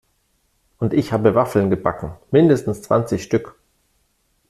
Und ich habe Waffeln gebacken, mindestens zwanzig Stück!